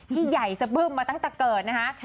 ใหญ่สะบึ้มมาตั้งแต่เกิดนะคะ